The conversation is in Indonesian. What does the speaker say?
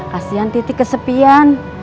kasian titik kesepian